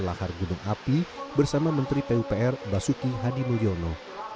lahar gunung api bersama menteri pupr basuki hadimulyono